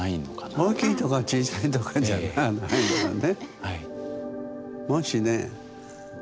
大きいとか小さいとかじゃないのよね。